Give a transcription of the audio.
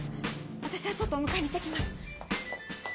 私はちょっとお迎えに行って来ます。